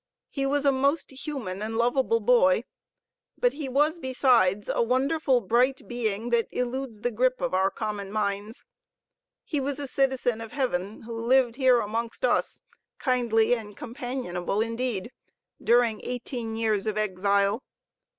He was a most human and lovable boy, but he was besides a wonderful, bright being that eludes the grip of our common minds. He was a citizen of heaven, who lived here amongst us, kindly and companionable indeed, during eighteen years of exile.